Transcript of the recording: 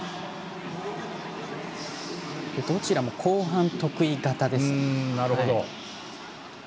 どちらも後半得意型ですね。